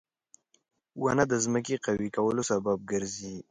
• ونه د ځمکې قوي کولو سبب ګرځي.